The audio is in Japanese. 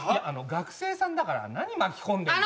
学生さんだから何巻き込んでんの？